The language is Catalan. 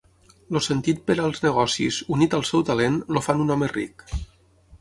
El sentit per als negocis, unit al seu talent, el fan un home ric.